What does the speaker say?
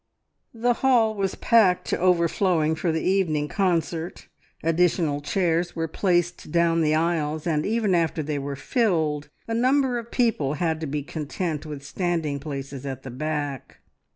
The hall was packed to overflowing for the evening concert, additional chairs were placed down the aisles, and even after they were filled, a number of people had to be content with standing places at the back.